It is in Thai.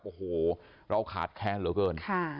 โอ้โหเราขาดแค้นเหลือเกิน